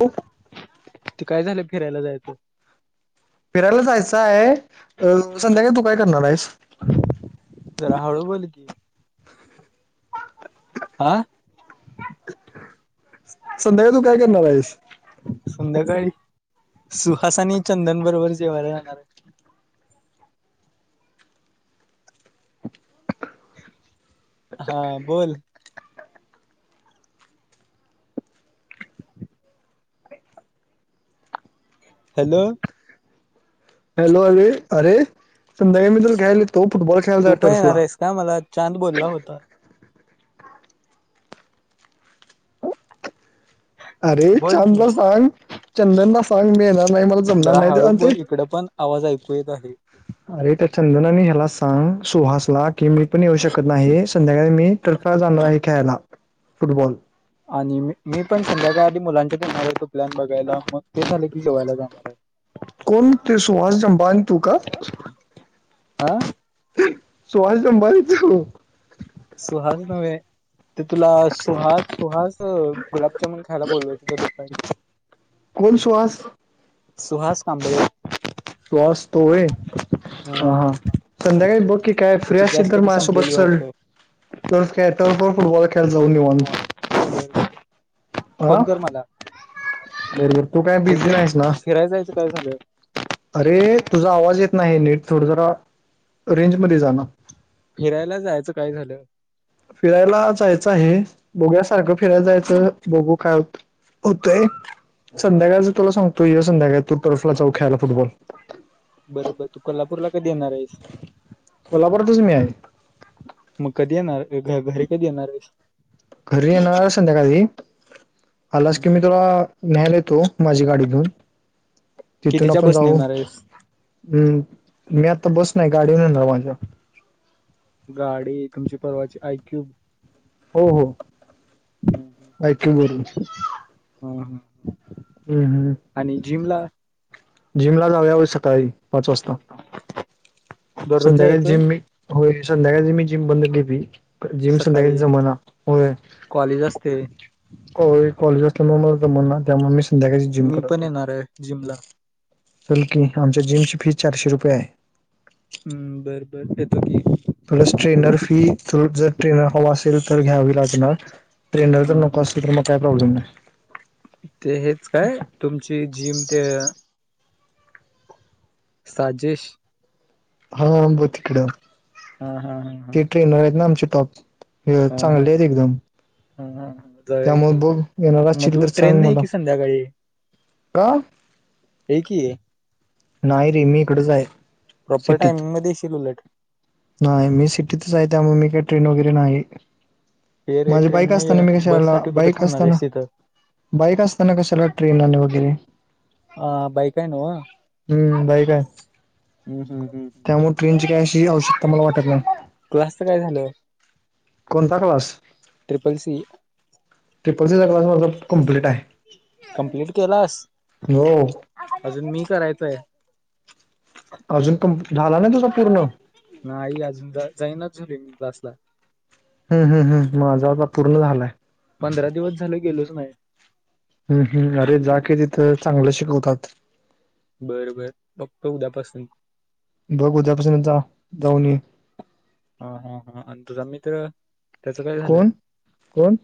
हो [inaudible] ते काय झालं फिरायला जायच? फिरायला जायचं आहे अ संध्याकाय तू काय करणार आहेस? जरा हळू बोलकी. आह. संध्याकाळी तू काय करणार आहेस? संध्याकाळी सुहास आणि चंदन बरोबर जेवायला जाणार आहे. हा बोल. हॅलो.. हॅलो अरे अरे संध्याकाळी मी तुला घ्यायला येतो. फुटबॉल खेळायला तू जा पण टर्फला येणार आहेस का मला चांद बोलला होता. अरे बोल की चांदला सांग चंदनला सांग मी येणार नाही मला जमणार जरा नाही ते. हळू आणि ते बोल इकड पण आवाज ऐकू येत आहे. अरे त्या चंदनानी ह्याला सांग सुहासला की मी पण येऊ शकत नाही संध्याकाळी मी तर्फा चाललो आहे खेळायला फुटबॉल. आणि मी पण संध्याकाळ आध मुलांच्यात येणार होतो प्लॅन बघायला मग ते झालं की जेवायला जाणार आहे कोण ते सुहास जंबान तू का आह सुहस संबारीच सुहास नव्हे ते तुला सुहास सुहास गुलाबजामुन खायला बोलवाय त्या लोकांनी. कोण सुहास? सुहास कांबळे. सुहास तोवे हा हा संध्याकाळी बघ की काय फ्री त्याची गॅस असतील तर टाकी माझ्या संपलेली सोबत चल. तर्फ तर्फ किंवा फुटबॉल खेळ जाऊन निवांत वाटतं ह फोन कर मला बरोबर तू काय बिझी नाहीस ना फिरायला जायचं काय झालं अरे तुझा आवाज येत नाही आहे नीट थोड जरा रेंजमध्येध्ये जा ना फिरायला जायचं काय झालं फिरायला जायचं आहे बघूयासारखं फिरायला जायचं बघू काय होत होते संध्याकाळच तुला सांगतोय संध्याकाळ तू तर्फला जाऊ खेळायला फुटबॉल बरोबर तू कोल्हापूरला कधी येणार आहेस कोल्हापुरातच मी आहे मग कधी येणार घ घरी कधी येणार आहेस घरी येणारणारच संध्याकाधी आलाच की मी तुला न्यायल येतो माझी गाडीघेऊन तिथून कितीच्या आपण बसने जाऊ येणार आहेस हम्म मी आता बस नाही गाडी न येणार ना माझ्या गाडी तुमची परवाची आयक्यूब हो हो आयक्यूब वरुन हा ह हम हम आणि जिमला जिम ला जाऊया सकाळी पाच वाजता दररोज संध्याकाळी जायचं जिम हो संध्याकाळी मी जिम बंद केली जिम सध्या सकाळी जमाना हो कॉलेज असते होय कॉलेज असल्यामुळे मला जमाना त्यामुळे मी संध्याकाळची जिम मी करत पण येणार आहे जिम ला चल की आमच्या जिम ची फीज चारशे रुपये आहे हम्म बरं बर येतो की प्लस ट्रेनर फी जर ट्रेनर हवा असेल तर घ्यावी लागणार ट्रेंनर तर हा नको हा असल तर मग काही प्रॉब्लेम नाही ते हेच काय तुमची जिम ते साजिश हाब तिकड हा हा हा ते ट्रेनर आहेत ना आमचे टॉप हा चांगले हा आहेत एकदम हा हा जाऊया की त्यामुळे बघ येणार मग असशील तू तर ट्रेन सांग नाही मला की संध्याकाळी का ये कि नाही रे मी इकडंच आहे प्रॉपर सिटीत टायमिंगमध्येध्ये येशील उलट नाही मी सिटीतच आहे त्यामुळे मी काही ट्रेन वगैरे नाही ये रे माझी ट्रेन बाईक नाही असताना मी क बस शाला साठी कुठे बाईक थांबणार असताना आहेस तिथं बैक अस स्ताना क सल ट्रेन न ह बाैक आहे न हम्म बाईक आहे त्यामुळे ट्रेनची काय अशी आवश्यकता मला वाटत नाही क्लासच काय झालं कोणता क्लास ट्रिपल सी पेपरचाचा क्लास माझ कमप्लीट आहे कम्प्लीट केलास हो अजून मी करायचंय अजून क झाला नाही तुझं पूर्ण नाही अजून जाईना ज रे क्लासला हम् हम् हम् मग जवळ पूर्ण झालाय पंधरा दिवस झाल गेलोच नाही हम्म हम् अरे जा के तिथं चांगलं शिकवतात बरबर बघ उद्यापासून बघ उद्यापासूनता जाऊन हा हा हा आणि तुझं म तर्र त्याच काय झालं कोण कोण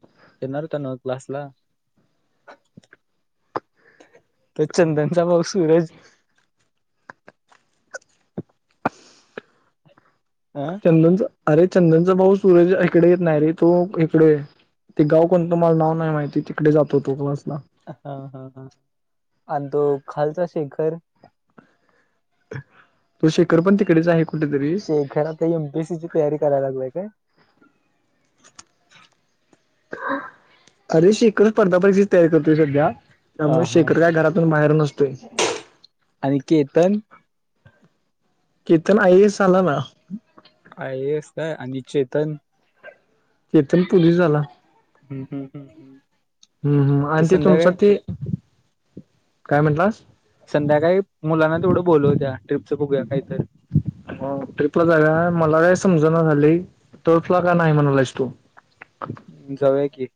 येणार तण क्लासला तर चंदनचा भाग सूरज ह चंदनच अरे चंदनचा भाऊ सूरज इकडे येत नाही रे तो इकड आहे ते गाव कोण तुम्हाला नाव नाही माहिती तिकडे जात हो तो कसला हा हा ह आणि तो खालचा शेखर त शेखर पण तिकडेच आहे कुठेतरी शेखरात एमपीसीची तयारी कराय लागूय काय अरे शकड स्पर्धापचीच तयारी करतोय सध्या हा त्यामुळे हा शेखर काय घरातून बाहेर नसतोय आणि केतन केथन आय स झालं ना आहेस आणि चेतन चेतन पुूर् झाला हम्म हम् हम्म हम् हम्म हम् आणि त तुमचं ती काय म्हटलं संध्याकाळी मुलांना तेवढं बोलव होत्या ट्रिपचं पुघू काहीतरी हो ट्रिपला जाव मला काही समजण झाली टोपला का नाही म्हणालाच तो जाऊय की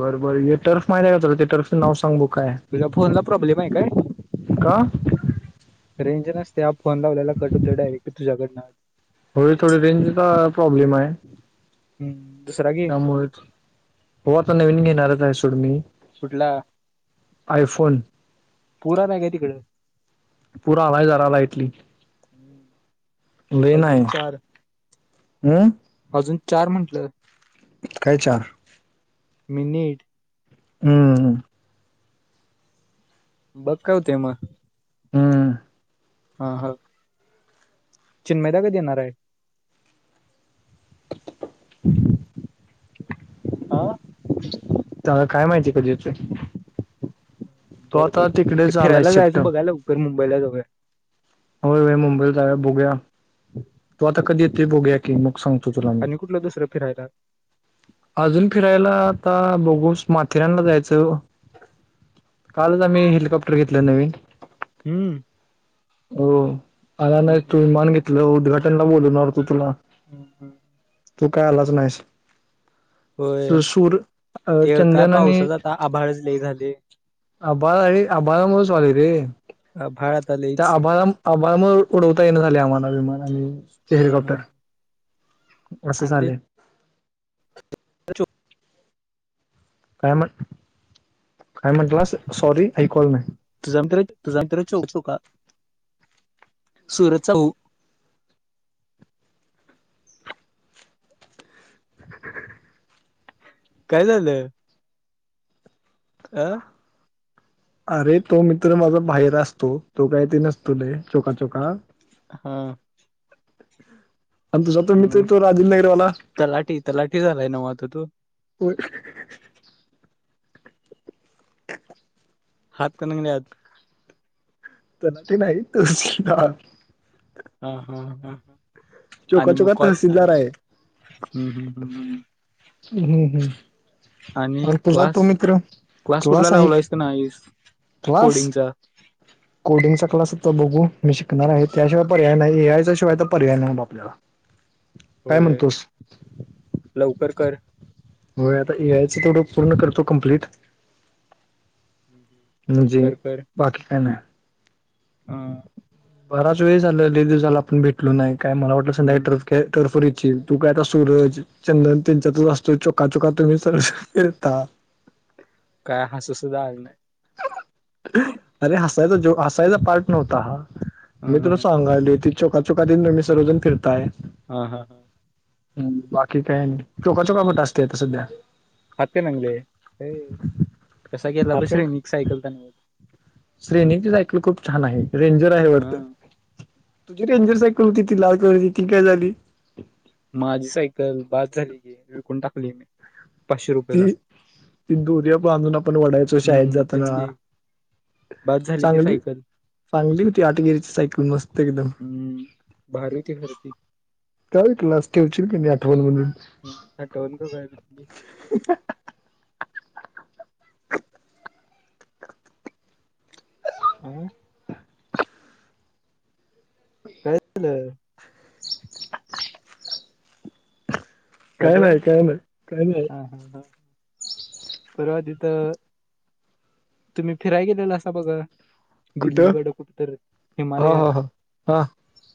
बरं बर टर्फ माहिती आहे काला त्या टर्फचं नाव सांग बू काय तुझ्या फोन ला प्रॉब्लेम आहे काय का रेंज नसते त्या फोन लावल्याला कटुत डायरेक्ट तुझ्याकडनं होय थोडी रेंजचा प्रॉब्लेम आहे हम्म दुसरग हो आता नवीन घेणारच आहे सोड मी कुठला आयफोन पुरा नाही का तिकडे पुूरा आलाय जराला इटली हम्म ल नाहीय हम् अजून चार म्हटलं कायच्या मिनिट हम्म बघकाव तेमा हम् हा ह चिन्ैदागद येणार आहे आा तरला काय माहिती कधथ बरं बर ते तिकडेच आलाय फिरायला शिफ्ट जायचं बघायला उगर मुंबईला वैरे हो मुंबईत जा बोघ्या तू आता कधी येते बघा बोघूया की मग सांगतो तुला मी आणि कुठलं दुसरं फिरायला अजून फिरायला आता बघूस माथेरानला जायचं कालच आम्ही हेलिकॉप्टर घेतलं नवीन हम्म हो आला हा नाही हा तु मान घेतलं उद्घाटनला बोलवणार तू तुला ब ह तू काय आलाच नाहीस होय सूर चंदन आणि बाडच ल झाले आभार आभारा मुच वाले रे आभाळ आता त्या लयच आभार आबा म उडवता येण झाले आम्हाला विमान आणि ते हा हेलिकॉप्टर हा असं झालेय अ काय म्हण काय म्हटला सॉरी आई कॉल नाही तुझ्या मंतर तुझ मंतर चौक चोका सुरतचा हो काय झालंय आह अरे तो मित्र माझा बाहेर असतो तो काही तरी नसतो र चोका चोका हा हम् आणि तुझ तर मित्र मग तो राजंद नगरवाला तलाठी तलाठी झालाय नव्ह आता तो हो हात करंगलीत तर ना ते नाही तु हा हा ह चोका आणि चोका मग तहसीलदार आहे हम् ह््् हम् हम्म आणि तुझा क्लास तो मित्र क्लास कुठला लावला आहेस का ना क्लास कोडिंगचा कोडिंगचा क्लास होता बघू मी शिकणार आहे त्याशिवाय पर्याय नाही ए आय च्या शिवाय तर पर्याय नाही आपल्याला काय होय म्हणतोस लवकर कर हो आता ए आयचं थोडं पूर्ण करतो कम्प्लीट हम् हम् म्हजे बाकी काण हा बराच वेळ झाला द दिवसाला आपण भेटलो नाही काय मला वाटलं संध्याका टफ टर्फरीची तू काय आता सूरज चंद्रन त्यांच्यातच असतो चोका चोका तुम्ही सरज फिरता काय हसू सुद्धा आल नाही अरे हसायचा जो हसायचा पार्ट नव्हता हा हा मी हा तुला सांगाली त चोका चोखका दिनमे रोजून फिरता आहे हा हा ह बाकी काय नाही चोका चोखापट असते आता सध्या हाते कसा केला बस आपण रे मी सायकल त श्रेणीची सायकल खूप छान आहे रेंजर आहे हा वरत तुझी रेंजर सायकल होती ती लालक ती काय झाली माझी सायकल बाद झाली गी विळकून टाकली मी पाचशे रुपयाला ती ती दोर्या बांधून आपण वडायचो शाळेत हम्म जाताना तेच की बाद झाली ती चांगली सायकल चांगली होती आठगिरीची सायकल मस्त एकदम बाारी होती घरती त्या क्लास ठेवशील क आठवण म्हणून ह हटवून का काय हं काय झालंय काय हॅलो नाही काय नाही काय नाही हा ह ह परर्वाजथ तुम्ही फिराय गेलेला असा बघा कुठं दिल्लीकडं कुठ तररी हा हिमालयात हा हा हा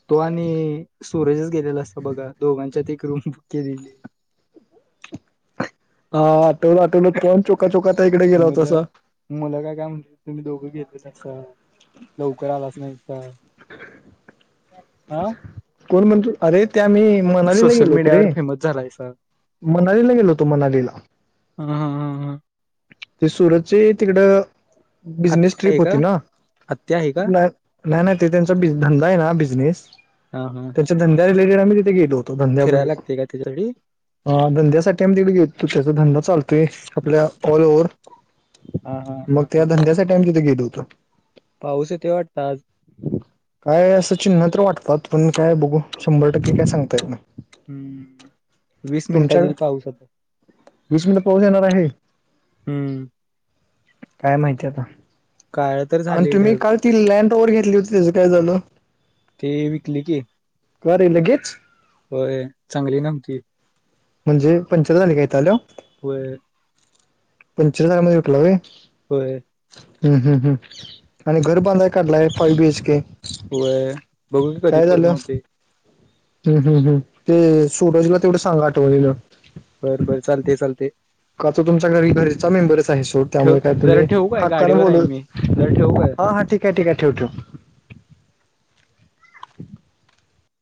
तो आणि सुरजच गेलेला असत बघा दोघांच्यात एक रूम बुक केलेली [unintelligible] हा आठवलं आठवलं कोोण चोका चोका त्या इकडे गेला होतता मुलं असं मुलं काय काय म्हण तुम्ही दोघं घेतलेस लवकर आलाच नाहीत [unintelligible] आा कोण म्हणतो अरे त्या आ मी मनालीला गेलोत रे जरायस मनालीला गेलो होतो मनालीला ह हा हां हां ते सुरतची तिकड बिजनेस आत्या आहे ट्रिप का होती ना आत्या आहे का नाही नाही ते त्यांचा धंदा आहे ना बिजनेस हा हा आच्या धंद्या रिलेटेड आम्ही तिथे गेलो होतो धंद्या फिरायला लागते का त्याच्यासाठी धंद्यासाठी आमही दीड घेत तो त्याचा धंदा चालतोय आपल्या ऑल ओव्हर हा हा मग हा त्या धंद्याचा टाईम तिथे गेलं होतं पाऊस आहे ते वाटतं आज काय असं चिन्ह तर वाटतात पण काय बघू शंभर टक्के काय सांगताय हम्म वीस मिनिटात येईल पाऊस होता वीस मिनिट पाऊस येणार आहे हम्म काय माहिती आता काळ तर आणि झाले तुम्ही ढग काल ती लँड ओवर घेतली होती त्याचं काय झालं ते विकले की कारे लगेच होय चांगली नामती म्हणजे पंचर झाले काय‌ हिते आल्यावर वय पंचवीस हारमध्येध्ये रोकलाे होय हम् हम् ह् आणि घर बांधय काढलाय फाई बीएच केे होय बघू की कधी पूर्ण होते हम् हम्म हम ते सोडवजला तेवढं सांगा आठवलेलं बर बर चालते चालते का तो तुम घरी घरचा मेंबरच आहे ठेव त्यामुळे काय जरा तुम्ही ठेवू काय हक्कान गाडीवर आहे बोलू मी जरा ठेवू काय हा हा ठीके ठीके ठेव ठेव